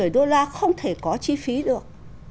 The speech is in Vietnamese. sáu trăm năm mươi đô la không thể có chi phí được